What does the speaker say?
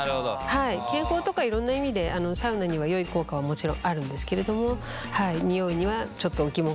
はい健康とかいろんな意味でサウナにはよい効果はもちろんあるんですけれどもニオイにはちょっと疑問かもしれません。